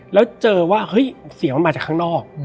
แล้วเจอว่าเฮ้ยเสียงมันมาจากข้างนอก